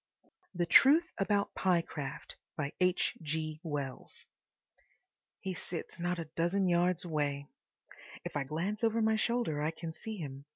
THE TRUTH ABOUT PYECRAFT He sits not a dozen yards away. If I glance over my shoulder I can see him.